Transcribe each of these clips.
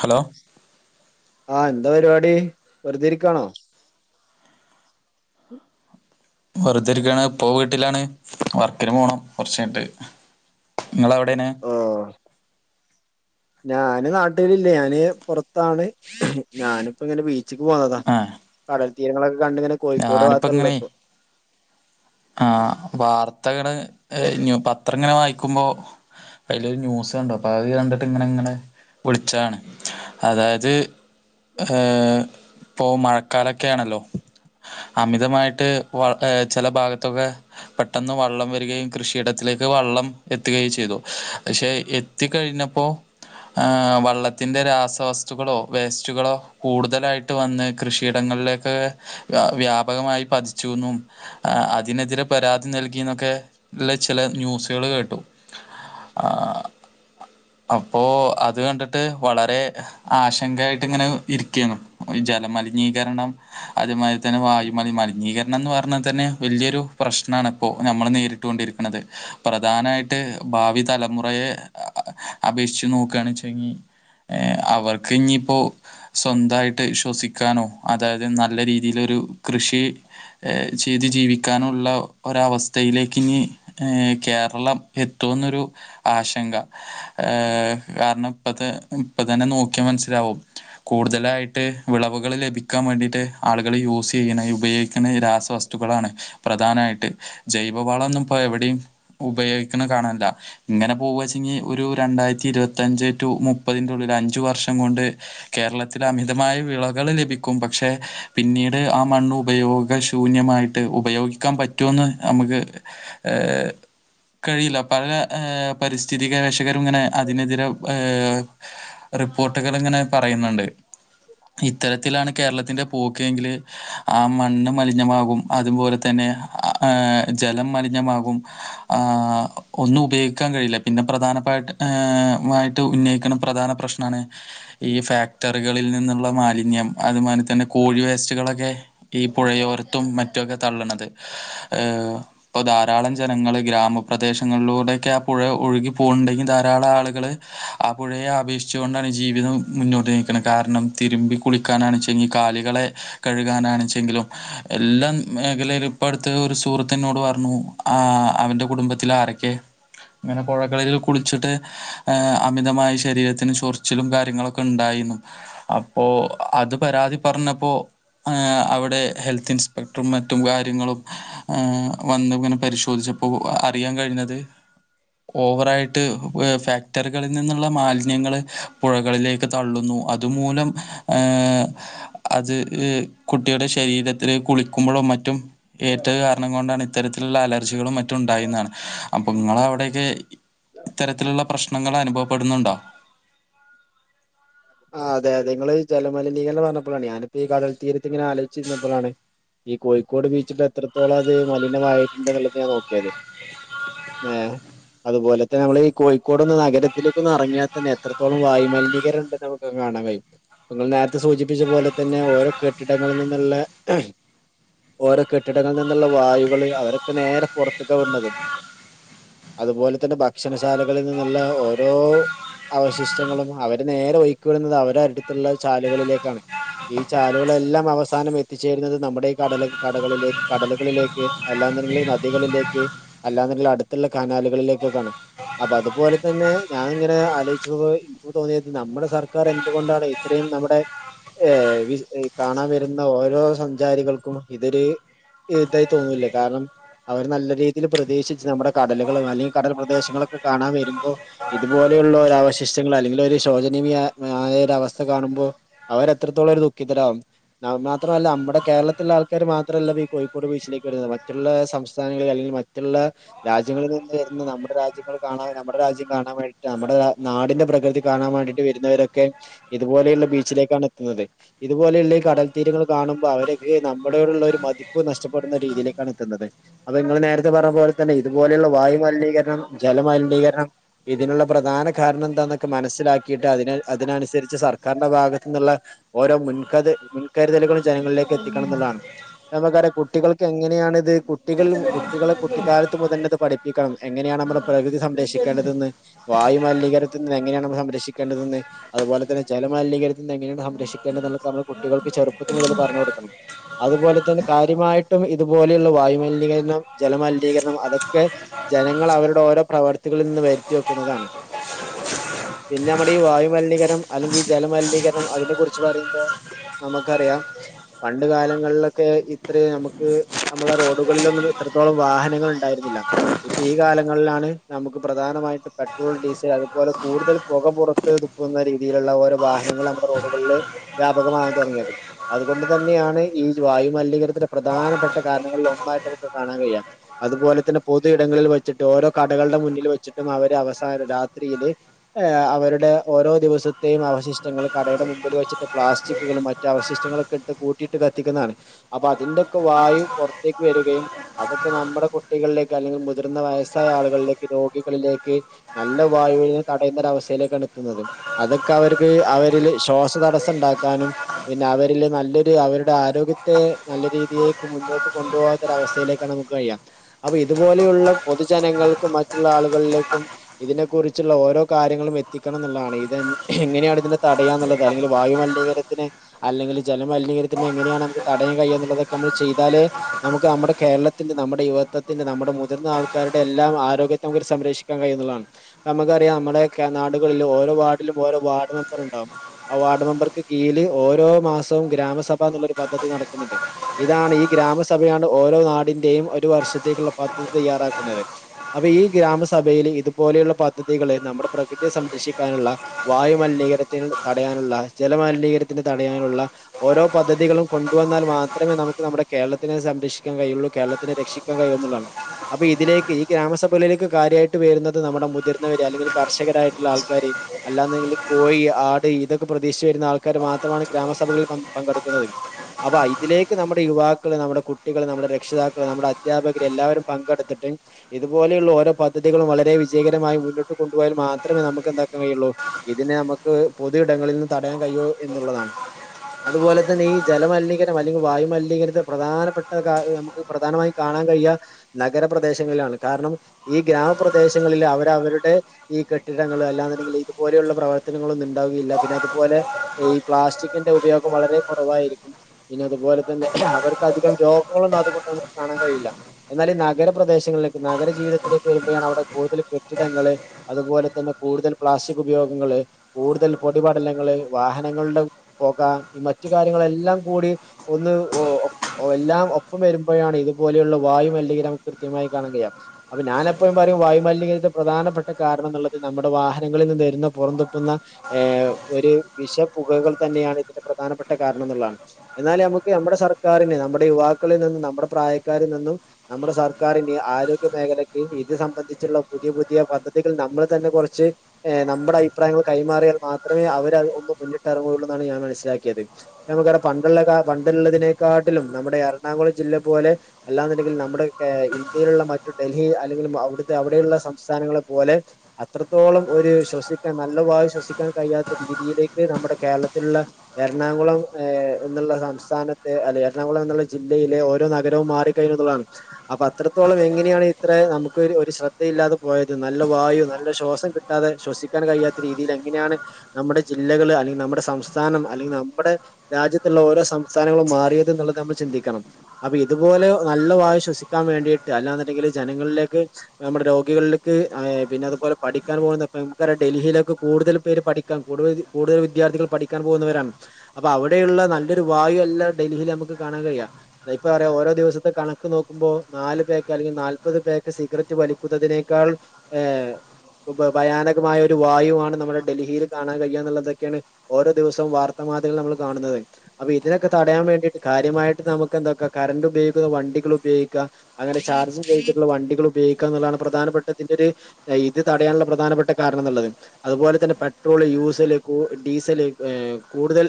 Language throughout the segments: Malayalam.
ഹലോ ആഹ് എന്താ പരിപാടി വെറുതെ ഇരിക്കാണോ വെറുതെ ഇരിക്കാണ് ഇപ്പോ വീട്ടിലാണ് വർക്കിന് പോണം കൊറച്ചഴിഞ്ഞിട്ട് നിങ്ങളെവടെന്ന് ഓ ഞാന് നാട്ടിലില്ല ഞാന് പൊറത്താണ് ഞാനിപ്പോ ഇങ്ങനെ ബീ ച്ചിക്ക് പോന്നതാ ആ കടൽ തീരങ്ങളൊക്കെ കണ്ടിങ്ങനെ കോഴിക്കോട് ഭാഗത്തൊള്ള ഇപ്പോ ആഹ് വാർത്തകള് ഏഹ് പത്രം ഇങ്ങനെ വായിക്കുമ്പോ അയിലൊരു ന്യൂസ് കണ്ടു അപ്പോ അത് കണ്ടിട്ട് ഇങ്ങനെ ഇങ്ങനെ വിളിച്ചാണ് അതാത് ഏഹ് ഇപ്പോ മഴക്കാലക്കെയാണല്ലോ അമിതമായിട്ട് വ ചെല ഭാഗത്തൊക്കെ പെട്ടെന്ന് വള്ളം വരികയും കൃഷിയിടത്തിലേ ക്ക് വള്ളം എത്തുകയും ചെയ്തു പഷേ എത്തിക്കഴിഞ്ഞപ്പോ ആഹ് വള്ളത്തിന്റെ രാസവസ്തുക്കളോ വേസ്റ്റുകളോ കൂടുതലായിട്ട് വന്ന് കൃഷിയിട ങ്ങളിലൊക്കെ വ്യാപകമായി പതിച്ചുന്നും അതിനെതിരെ പരാതി നൽകിന്നൊക്കെ ഇള്ള ചെലെ ന്യൂസുകള് കേട്ടു ആഹ്‌ അപ്പോ അത് കണ്ടിട്ട് വളരെ ആശങ്കായി ഇങ്ങനെ ഇരിക്കേന്നു അത് ജല മലിനീകരണം അത് മ ത്തെന്നെ വായുമലി മലിനീകരണം ന്ന് പറഞ്ഞത്തെന്നെ വെല്യോരു പ്രശ്നാണ് ഇപ്പോ നമ്മള് നേരിട്ടുകൊണ്ടിരിക്കുന്നത് പ്രധാനായിട്ട് ഭാവി തലമുറയെ അപേക്ഷിച്ച് നോക്കാണെ വച്ചങ്കി ഏ അവർക്ക് ഞ്ഞിപ്പോ സ്വന്തായിട്ട് ശ്വസിക്കാനോ അതായത് നല്ല രീതി യിലൊരു കൃഷി ചെയ്തു ജീവിക്കാനുള്ള ഒരവസ്ഥയിലേക്ക് ഇനി ഏ കേരളം എത്ര ന്നൊരു ആശങ്ക കാരണം ഇപ്പ ഇപ്പൊ തന്നെ നോക്ക്യാ മനസ്സിലാ വും കൂടുതലായിട്ട് വിളവുകൾ ലഭിക്കാൻ വേണ്ടിട്ട് ആളുകൾ യൂസ് ചെയ്യ്ണ് ഉപയോയിക്ക്ണ് രാസവസ്തുക്കളാണ് പ്രധാനായിട്ട് ജൈവ വളൊന്നുപ്പാര് എവിടേം ഉപയോഗിക്ക്ണെ കാണാല്ല ഇങ്ങനെ പോവച്ചെങ്കി ഒരു രണ്ടായിരത്തി ഇരുപത്തഞ്ച് ടു മുപ്പതിന്റുള്ളില് അഞ്ചു വർഷം കൊണ്ട് കേരളത്തിൽ അമിതമായ വിളകൾ ലഭിക്കും പക്ഷെ പിന്നീട് ആ മണ്ണ് ഉപയോഗശൂന്യമായിട്ട് ഉപയോഗിക്കാൻ പറ്റുന്ന് നമുക്ക് [unintelligible] കഴിയില്ല പല പരിസ്ഥിതി ഗവേഷകരും ഇങ്ങനെ അതിനെതിരെ ഏ റിപ്പോർട്ടുകൾ ഇങ്ങനെ പറയുന്നുണ്ട് ഇത്തരത്തിലാണ് കേരളത്തിന്റെ പോക്ക് എങ്കിൽ ആ മണ്ണ് മലിനമാ കും അതുപോലെ തന്നെ ജലം മലിനമാകും ഒന്നും ഉപയോ ക്കാൻ കഴിയില്ല പിന്നെ പ്രധാനപ്പ ആ മായിട്ട് ഉന്നയിക്ണ പ്രധാന പ്രശ്നാണ് ഈ ഫാക് ട്രക്ടറികളിൽ നിന്നുള്ള മാലിന്യം അതുമാല തന്നെ കോഴി വേസ്റ്റുകളൊക്കെ ഈ പുഴയോരത്തും മറ്റു ഒക്കെ തള്ള്ണത് ധാരാളം ജനങ്ങള് ഗ്രാമപ്രദേശങ്ങളിലൂടെയൊക്കെ ആ പുഴ ഒഴുകി പോകുന്നുണ്ടെങ്കിൽ ധാരാളം ആളുകൾ ആ പുഴയെ അപേക്ഷിച്ച് കൊണ്ടാണ് ജീവിതം മുന്നോട്ട് നീക്ണത് കാരണം തിരുമ്പി കുളിക്കാനാണ്ച്ചെങ്കി കാലികളെ കഴുകാനാണിച്ചെങ്കിലും എല്ലാം മേഖലയിലും ഇപ്പ അടുത്ത് ഒരു സുഹൃത്തി ഇന്നോട് പ ർനു ആ അവന്റെ കുടുംബത്തില് ആരെക്കെ അങ്ങനെ പുഴകളിൽ കുളിച്ചിട്ട് അമിതമായ ശരീരത്തിന് ചൊറിച്ചിലും കാര്യങ്ങളൊക്കെ ഉണ്ടായി ന്നും അപ്പോ അത് പരാതി പറഞ്ഞപ്പോ അവിടെ ഹെൽത്ത് ഇൻസ്പെക്ടറും മറ്റും കാര്യങ്ങളും വന്ന് ഇങ്ങനെ പരിശോധിച് ഇപ്പോ അറിയാൻ കഴിഞ്ഞത് ഓവറായിട്ട് ഫാക്ടറികളിൽ നിന്നുള്ള മാലിന്യങ്ങള് പുഴകളിലേക്ക് തള്ളുന്നു അതുമൂലം അത് കുട്ടിയുടെ ശരീരത്തില് കുളിക്കുമ്പഴും മറ്റും ഏറ്റത് കാരണം കൊണ്ടാണ് ഇത്തരത്തിലുള്ള അലർജികളും മറ്റും ഉണ്ടായിന്നാണ് അപ്പൊ ഇങ്ങളെ അവിടെയൊക്കെ ഇത്തരത്തിലുള്ള പ്രശ്നങ്ങൾ അനുഭവപ്പെടുന്നുണ്ടോ ആ അതെ അതെ നിങ്ങള് ജലമലിനീകരണം എന്ന് പറഞ്ഞപ്പളാണ് ഞാനിപ്പോ ഈ കടൽ തീരത്ത് ഇങ്ങനെ ആലോച്ചിരുന്നപ്പഴാണ് ഈ കോഴിക്കോട് ബീച്ചിൽ എത്രത്തോളം അത് മലിനമായിട്ടുണ്ട് എന്നുള്ളത് ഞാൻ നോക്കിയത് ഏഹ്. അതുപോലെ തന്നെ നമ്മൾ ഈ കോഴിക്കോടൊന്ന് നഗരത്തിലേക്ക് ഒന്ന് എറങ്ങിയാ തന്നെ എത്രത്തോളം വായുമലിനീകരണ്ട് ന്ന് നമുക്ക് കാണാൻ കഴിയും ഇപ്പങ്ങൾ നേരത്തെ സൂചിപ്പിച്ച പോലെ തന്നെ ഓരോ കെട്ടിടങ്ങളിൽ നിന്നുള്ള ഓരോ കെട്ടിടങ്ങളിൽ നിന്നുള്ള വായുകള് അവരൊക്കെ നേരെ പുറത്ത് ക്കാ വിട്ണത് അതുപോലെ തന്നെ ഭക്ഷണശാലകളിൽ നിന്നുള്ള ഓരോ അവശിഷ്ടങ്ങളും അവര് നേരെ ഒഴുക്കിവിടുന്നത് അവരെ അടുത്തുള്ള ചാലുകളിലേക്കാണ് ഈ ചാലുകളെല്ലാം അവസാനം എത്തിച്ചേരുന്നത് നമ്മുടെ ഈ കടല് കടകളിലേ കടലുകളിലേക്ക് അല്ലാ ന്നുണ്ടെങ്കില് നദികളിലേക്ക് അല്ലാന്നിണ്ടെങ്കിൽ അടുത്തുള്ള കനാലുകളിലേകൊക്കെ ആണ് അപ്പ അതുപോലെ തന്നെ ഞാന് ഇങ്ങനെ ആലോ ലോയ്ച്ച് പോയി ഇൻക് തോന്നിയത് നമ്മുടെ സർക്കാർ എന്തുകൊണ്ടാണ് ഇത്രയും നമ്മുടെ ഏഹ് കാണാൻ വരുന്ന ഓരോ സഞ്ചാരികൾക്കും ഇതൊരു ഇതായി തോന്നുല്ലെ കാരണം അവര് നല്ല രീതീല് പ്രതീക്ഷിച്ച് നമ്മുടെ കടലുകളും അല്ലെങ്കിൽ കടൽ പ്രദേശങ്ങളൊക്കെ കാണാൻ വരുമ്പോ ഇതുപോലെയുള്ള അവശിഷ്ടങ്ങൾ അല്ലെങ്കിൽ ഒരു ശോചനീയ ആ ഒരു അവസ്ഥ കാണുമ്പോൾ അവരെത്രത്തോളം ഒരു ദുഃഖിതരാവും മാത്രമല്ല നമ്മുടെ കേരളത്തിലുള്ള ആൾക്കാര് മാത്രമല്ല ഇപ്പീ കോഴിക്കോട് ബീച്ചിലേക്ക് വരുന്നത് മറ്റുള്ള സംസ്ഥാനങ്ങളിലെ അല്ലെങ്കിൽ മറ്റുള്ള രാജ്യങ്ങളിൽ നിന്ന് വരുന്ന നമ്മുടെ രാജ്യങ്ങൾ കാണാന് നമ്മുടെ രാജ്യം കാണാൻ വേണ്ടിട്ട് നമ്മുടെ രാ നാടിന്റെ പ്രകൃതി കാണാൻ വേണ്ടിയിട്ട് വരുന്നവരൊക്കെ ഇതുപോലെയുള്ള ബീച്ചിലേക്കാണ് എത്തുന്നത് ഇതുപോലെയുള്ള കടൽ തീരങ്ങൾ കാണുമ്പോ അവരൊക്കെ നമ്മുടെയുള്ള ഒരു മതിപ്പ് നഷ്ടപ്പെടുന്ന രീതിയിലേക്കാണ് എത്തുന്നത് അപ്പങ്ങള് നേരത്തെ പറഞ്ഞ പോലെ തന്നെ ഇതുപോലുള്ള വായുമലിനീകരണം ജലമലിനീകരണം ഇതിനുള്ള പ്രധാന കാരണം എന്താന്നൊക്കെ മനസ്സിലാക്കിയിട്ട് അതിന് അതിനനുസരിച്ച് സർക്കാരിന്റെ ഭാഗത്തു നിന്നുള്ള ഓരോ മുൻക മുൻകരുതലുകളും ജനങ്ങളിലേക്ക് എത്തിക്കണം എന്നുള്ളതാണ് നമുക്കറിയ കുട്ടികൾക്ക് എങ്ങനെയാണ് ഇത് കുട്ടികൾ കുട്ടികളെ കുട്ടിക്കാലത്ത് മുത തന്ന അത് പഠിപ്പിക്കണം എങ്ങനെയാണ് നമ്മൾ പ്രകൃതി സംരക്ഷിക്കേണ്ടത് ന്ന് വായു മലിനീ നീകരത്ത്ന്ന് എങ്ങെനെയാണ് സംക്ഷേണ്ടതെന്ന് അതുപോലെ തന്നെ ജല മലിനീകരത് ന്ന് എങ്ങെനെയാണ് സംരക്ഷിക്കേണ്ടതെള്ളതൊക്കെ നമ്മൾ കുട്ടിക ൾക്ക് ചെറുപ്പത്തി മുതൽക്ക് പറഞ്ഞു കൊടുക്കണം അതുപോലെ തന്നെ കാര്യമായിട്ടും ഇതുപോലെയുള്ള വായുമലിനീകരണം ജലമലിനീകരണം അതൊക്കെ ജനങ്ങൾ അവരുടെ ഓരോ പ്രവർത്തികളിൽ നിന്ന് വരുത്തി വെക്കുന്നതാണ് [inaudible] പിന്നെ നമ്മുടെ ഈ വായുമലിനീകരണം അല്ലെങ്കിൽ ഈ ജലമലിനീകരണം അതിനെ കുറിച്ച് പറയുമ്പോ നമുക്കറിയാം പണ്ട് കാലങ്ങളിലൊക്കെ ഇത്ര നമുക്ക് നമ്മളെ റോഡുകളിലൊന്നും ത്രത്തോളം വാഹനങ്ങൾ ണ്ടായിരുന്നില്ല ഇപ്പൊ ഈ കാലങ്ങളിലാണ് നമുക്ക് പ്രധാനമായിട്ടും പെട്രോൾ ഡീസൽ അതുപോലെ കൂടുതൽ പൊക പൊറത്ത് തുപ്പുന്ന രീതിയിലുള്ള ഓരോ വാഹനങ്ങൾ നമ്മുടെ റോഡുകളില് വ്യാപക [unintelligible] തൊടങ്ങിയത് അതുകൊണ്ട് തന്നെയാണ് ഈ വായുമലിനീകരണത്തിന്റെ പ്രധാനപ്പെട്ട കാരണങ്ങളിൽ ഒന്നായിട്ട് കാണാൻ കയ്യാത്തത് അതുപോലെ തന്നെ പൊതു ഇടങ്ങളിൽ വെച്ചിട്ടും ഓരോ കടകളുടെ മുന്നിൽ വെച്ചിട്ടും അവര് അവസാന രാ ത്രില് അവരുടെ ഓരോ ദിവസത്തെയും അവശിഷ്ടങ്ങൾ കടയുടെ മുമ്പിൽ വെച്ചിട്ട് പ്ലാസ്റ്റിക്കുകൾ മറ്റ് അവശിഷ്ടങ്ങളൊക്കെ ഇട്ട് കൂട്ടിയിട്ട് കത്തിക്കുന്നതാണ് അപ്പൊ അതിന്റെക്കെ വായു പൊറത്തേക്ക് വരികയും അതൊക്കെ നമ്മുടെ കുട്ടികളിലേക്ക് അല്ലെങ്കിൽ മുതിർന്ന വയസ്സായ ആളുകളിലേക്ക് രോഗികളിലേക്ക് നല്ല വായുവിന് തടയുന്ന ഒരവസ്ഥയിലേക്കാണ് എത്തുന്നത് അതൊക്കെ അവർക്ക് അവരിൽ ശ്വാസതടസ്സം ണ്ടാക്കാനും പിന്നെ അവരില് നല്ലൊരു അവരുടെ ആരോഗ്യത്തെ നല്ല രീതിയിലേക്ക് മുന്നോട്ട് കൊണ്ടുപോകാത്തൊരവസ്ഥയില് [unintelligible] അപ്പൊ ഇതുപോലെയുള്ള പൊതുജനങ്ങൾക്കും മറ്റുള്ള ആളുകളിലേക്കും ഇതിനെ കുറിച്ചുള്ള ഓരോ കാര്യങ്ങളും എത്തിക്കണം ന്ന്ള്ളതാണ് ഇത് എങ്ങനെയാണ് ഇതിനെ തടയാന്ന്ള്ളത് അല്ലെങ്കി വായുമലിനീ അല്ലെങ്കിൽ ജലമലിനീകരത്തിന് എങ്ങനെയാണ് നമുക്ക് തടയാൻ കയിയുക എന്നുള്ളതൊക്കെ നമ്മൾ- കേരളത്തിന്റെ നമ്മുടെ യുവത്വത്തിന്റെ നമ്മുടെ മുതിർന്ന ആൾക്കാരുടെ എല്ലാം ആരോഗ്യത്തെ പോലും സംരക്ഷിക്കാൻ കഴിയുന്നുള്ളതാണ് നമുക്കറിയാം നമ്മുടെയൊക്കെ നാടുകളിൽ ഓരോ വാർഡിലും ഓരോ വാർഡ് മെമ്പർ ഉണ്ടാവും ആ വാർഡ് മെമ്പർക്ക് കീഴിൽ ഓരോ മാസവും ഗ്രാമസഭ എന്നുള്ള ഒരു പദ്ധതി നടക്കുന്നുണ്ട് ഇതാണ് ഈ ഗ്രാമസഭയാണ് ഓരോ നാടിന്റെയും ഒരു വർഷത്തേക്കുള്ള പദ്ധതി തയ്യാറാക്കുന്നത് അപ്പൊ ഈ ഗ്രാമസഭ സഭയിൽ ഇതുപോലെയുള്ള പ- പദ്ധതികളെ നമ്മുടെ പ്രകൃതിയെ സംരക്ഷിക്കാനുള്ള വായുമലിനീകരണത്തിന് തടയാനുള്ള ജലമലിനീകര തടയാനുള്ള ഓരോ പദ്ധതികളും കൊണ്ടുവന്നാൽ മാത്രമേ നമുക്ക് നമ്മുടെ കേരളത്തിനെ സംരക്ഷിക്കാൻ കഴിയുള്ളൂ കേരളത്തിനെ രക്ഷിക്കാൻ കഴിയുന്നുള്ളതാണ് അപ്പൊ ഇതിലേക്ക് ഈ ഗ്രാമസഭകയിലേക്ക് കാര്യമായിട്ട് വരുന്നത് നമ്മുടെ മുതിർ അല്ലെങ്കിൽ കർഷകരായിട്ടുള്ള ആൾക്കാര് അല്ലാനെങ്കിൽ കോഴി ആട് ഇതൊക്കെ പ്രതീക്ഷിച്ച് വരുന്ന ആൾക്കാര് മാത്രം മാണ് ഗ്രാമസഭകളിൽ പങ്കെടുക്കുന്നത് അപ്പൊ അ ഇതിലേക്ക് നമ്മുടെ യുവാക്കൾ നമ്മുടെ കുട്ടികള് നമ്മുടെ രക്ഷ നേതാക്കള് നമ്മുടെ അധ്യാപകര് എല്ലാവരും പങ്കെടുത്തിട്ട് ഇതുപോലെയുള്ള ഓരോ പദ്ധതികളും വളരെ വിജയകരമായി മുന്നോട്ട് കൊണ്ടുപോയാൽ മാത്രമേ നമുക്ക് എന്താക്കാൻ കഴിയുള്ളൂ ഇതിനെ നമുക്ക് പൊതു ഇടങ്ങളിൽ നിന്ന് തടയാൻ കഴിയുവോ എന്നുള്ളത് [unintelligible] അതുപോലെ തന്നെ ഈ ജലമലിനീകരണം അല്ലെങ്കിൽ വായുമലിനീകരണത്തെ പ്രധാനപ്പെട്ട കാര നമുക്ക് പ്രധാനമായും കാണ കാണൻ കഴിയാ നഗരപ്രദേശങ്ങളിലാണ് കാരണം ഈ ഗ്രാമപ്രദേശങ്ങളിൽ അവര് അവരുടെ ഈ കെട്ടിടങ്ങൾ അല്ലാന്നുണ്ടെങ്കിൽ ഇതുപോലെയുള്ള പ്രവർത്തനങ്ങളൊന്നും ഉണ്ടാവുകയില്ല പിന്നെ അതുപോലെ ഈ പ്ലാസ്റ്റിക്കിന്റെ ഉപയോഗം വളരെ കൊറവായിരിക്കും പിന്നെ അതുപോലെ തന്നെ അവർക്ക് അധികം രോഗങ്ങളൊന്നും അതുകൊണ്ട്- കാണാൻ കഴിയില്ല എന്നാല് ഈ നഗരപ്രദേശങ്ങളിലേക്ക് നഗര ജീവിതത്തിലേക്ക് വരുമ്പോഴാണ് അവിടെ കൂടുതല് കെട്ടിടങ്ങള് അതുപോലെ തന്നെ കൂടുതൽ പ്ലാസ്റ്റിക് ഉപയോഗങ്ങള് കൂടുതൽ പൊടി പടലങ്ങൾ വാഹനങ്ങളുടെ പോകാം ഈ മറ്റു കാര്യങ്ങളെല്ലാം കൂടി ഒന്ന് എല്ലാം ഒപ്പം വരുമ്പോഴാണ് ഇതുപോലെയുള്ള വായുമലിനീരണം കൃത്യമായി കാണാൻ കഴിയാം അപ്പൊ ഞാൻ എപ്പോഴും പറയും വായുമലിനികര പ്രധാനട്ട കാരണം എന്നുള്ളത് നമ്മുടെ വാഹനങ്ങളിൽ വരുന്ന പുറന്തുപ്പുന്ന ഒരു വിഷപ്പുകകൾ തന്നെ തന്നെയാണ് ഇതിന്റെ പ്രധാനപ്പെട്ട കാരണം എന്നുള്ളതാണ് എന്നാൽ നമുക്ക് നമ്മുടെ സർക്കാരിന് നമ്മുടെ യുവാക്കളിൽ നിന്നും നമ്മുടെ പ്രായക്കാരിൽ നിന്നും നമ്മുടെ സർക്കാരിന്റെ ആരോഗ്യ മേഖലയ്ക്ക് ഇത് സംബന്ധിച്ചുള്ള പുതിയ പുതിയ പദ്ധ ന്തെങ്കിൽ നമ്മൾ തന്നെ കുറച്ച് ഏ നമ്മുടെ അഭിപ്രായങ്ങൾ കൈമാറിയാൽ മാത്രമേ അവരത് ഒന്നും മുന്നിട്ടെറങ്ങൊള്ളൂ അത് ഞാൻ മനസ്സിലാക്കിയത് നമുക്കെടെ പണ്ടുള്ളതാ പണ്ടുള്ളതിനെക്കാട്ടിലും നമ്മുടെ എറണാകുളം ജില്ല പോലെ അല്ലാന്നുണ്ടെങ്കിൽ നമ്മുടെ ഏ ഇന്ത്യയിലുള്ള മറ്റു ഡൽഹി അല്ലെങ്കില് അവിടുത്തെ അവിടെയുള്ള സംസ്ഥാനങ്ങൾ പോലെ അത്രത്തോളം ഒരു ശ്വസിക്കാൻ നല്ല വായു ശ്വസിക്കാൻ കഴിയാത്ത രീതിയിലേക്ക് നമ്മുടെ കേരള ത്തിലുള്ള എറണാകുളം ഏ എന്നുള്ള സംസ്ഥാനത്ത് അല്ല എറണാകുളം എന്നുള്ള ജില്ലയിലെ ഓരോ ന ഗരവും മാറിക്കഴിഞ്ഞുന്നുള്ളതാണ് അപ്പൊ അത്രത്തോളം എങ്ങനെയാണിത്രെ നമുക്ക് ഒരു ശ്രദ്ധയില്ലാതെ പോയത് നല്ല വായു നല്ല ശ്വാസം കിട്ടാതെ ശ്വസിക്കാൻ കഴിയാത്ത രീതിയിൽ എങ്ങനെയാണ് നമ്മുടെ ജില്ലകള് അല്ലെനം നമ്മുടെ സംസ്ഥാനം അല്ലെങ്കി നമ്മുടെ രാജ്യത്തുള്ള ഓരോ സംസ്ഥാനങ്ങളും മാറിയത് ന്നുള്ളത് നമ്മള് ചിന്തിക്കണം അപ്പൊ ഇതുപോലെ നല്ല വായു ശ്വസിക്കാൻ വേണ്ടിയിട്ട് അല്ലാന്നുണ്ടെങ്കില് ജനങ്ങളിലേക്ക് നമ്മുടെ രോഗികളില് ക്ക്‌ അയെ പിന്നതുപോലെ പഠിക്കാ പോകുന്ന പെമ്ക്കറിയ ഡൽഹിയിലൊക്കെ കൂടുതൽ പേര് പഠിക്കാൻ കൂടുതൽ വിദ്യാ വിദ്യാർത്ഥികൾ പഠിക്കാൻ പോകുന്നവരാണ് അപ്പൊ അവിടെയുള്ള നല്ലൊരു വായു അല്ല ഡൽഹിയിൽ നമുക്ക് കാണാൻ കഴിയ പറയാ ഓരോ ദിവസത്തെ കണക്ക് നോക്കുമ്പോ നാല് പേക്ക് അല്ലെങ്കിൽ നാല്പ്പത് പേക്ക് സിഗരറ്റ് വലിക്കുന്നതിനേക്കാൾ ഏ ഭയാനകമായ ഒരു വായുവാണ് നമ്മുടെ ഡൽഹിയില് കാണാൻ കഴിയന്നുള്ളതൊക്കേണ് ഓരോ ദിവസവും വാർത്ത മാധ്യമ നമ്മൾ കാണുന്നത് അപ്പ ഇതിനൊക്കെ തടയാൻ വേണ്ടിട്ട് കാര്യമായിട്ട് നമുക്ക് എന്താക്കാ കറന്റ്‌ ഉപയോഗിക്കുന്ന വണ്ടി ങ്ങൾ ഉപയോഗിക്ക അങ്ങനെ ചാർജ് ചെയ്തിട്ടുള്ള വണ്ടികൾ ഉപയോഗിക്കന്നതാണ് പ്രധാനപ്പെ ഇതിന്റെ ഒരു ഇത് തടയാനുള്ള പ്രധാനപ്പെട്ട കാരണം എന്നുള്ളത് അതുപോലെ തന്നെ പെ ട്രോള് യൂസല് കൂ ഡീസൽ തല് കൂടുതൽ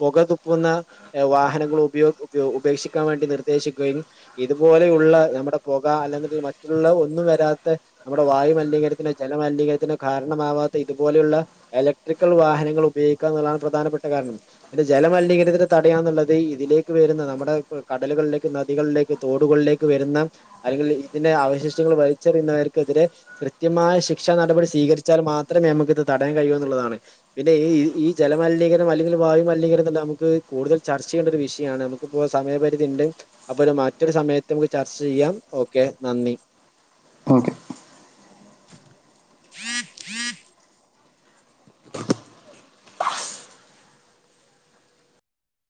പുക തുപ്പുന്ന വാഹനങ്ങൾ ഉപയ ഉപേക്ഷിക്കാൻ വേണ്ടി നിർദ്ദേശിക്കുകയും ഇതുപോലെയുള്ള നമ്മുടെ പുക അല്ലെങ്കില് മറ്റുള്ള ഒന്നും വരാത്ത നമ്മുടെ വായു മലീനീകരണത്തിനോ ജല മലീനീകരണത്തിനോ കാരണമാവാത്ത ഇതുപോലെയുള്ള ഇലക്ട്രിക്കൽ വാഹനങ്ങൾ ഉപയോ യോഗിക്കന്നുള്ളതാണ് പ്രധാനപ്പെട്ട കാരണം പിന്നെ ജലമലിനീകരണത്തിന്റെ തടയാന്നുള്ളത് ഇതിലേക്ക് വരുന്ന നമ്മുടെ കട ലുകളിലേക്ക് നദികളിലേക്ക് തോടുകളിലേക്ക് വരുന്ന അല്ലെങ്കിൽ ഇതിന്റെ അവശിഷ്ടങ്ങൾ വലിച്ചെറിയുന്നവർ ക്കെതിരെ കൃത്യമായ ശിക്ഷാ നടപടി സ്വീകരിച്ചാൽ മാത്രമേ നമുക്ക് ഇത് തടയാൻ കഴിയൂ എന്നുള്ളതാണ് പിന്നെ ഈ ഈ ഈ ജലീകരണം അല്ലെങ്കിൽ വായു മലീകരണം തന്നെ നമുക്ക് കൂടുതൽ ചർച്ച ചെയ്യേണ്ട ഒരു വിശയാണ് നമുക്കിപ്പോ സമയപരിധി ണ്ട് അപ്പോ ഒരു മറ്റൊരു സമയത്ത് നമുക്ക് ചർച്ച ചെയ്യാം ഓക്കെ നന്ദി ഓക്കെ